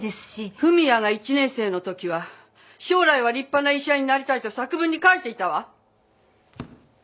文也が１年生のときは将来は立派な医者になりたいと作文に書いていたわ。